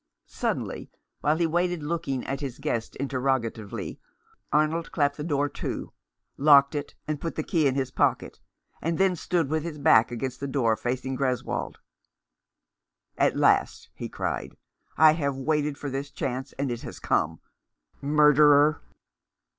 Suddenly, while he waited, looking at his guest interrogatively, Arnold clapped the door to, locked 375 Rough Justice. it and put the key in his pocket, and then stood with his back against the door, facing Greswold. "At last!" he cried. "I have waited for this chance, and it has come. Murderer